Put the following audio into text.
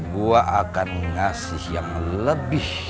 gue akan ngasih yang lebih